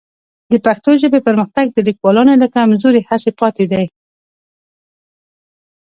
د پښتو ژبې پرمختګ د لیکوالانو له کمزورې هڅې پاتې دی.